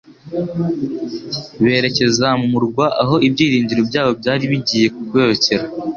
berekeza mu murwa aho ibyiringiro byabo byari bigiye kuyoyokera.